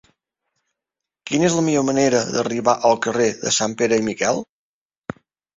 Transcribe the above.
Quina és la millor manera d'arribar al carrer de Sanpere i Miquel?